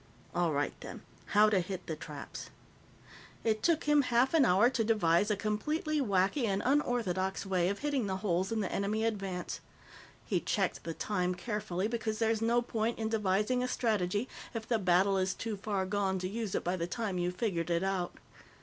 _ All right, then. How to hit the traps? It took him half an hour to devise a completely wacky and unorthodox way of hitting the holes in the enemy advance. He checked the time carefully, because there's no point in devising a strategy if the battle is too far gone to use it by the time you've figured it out.